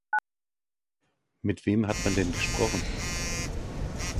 Mit wem hat man denn gesprochen?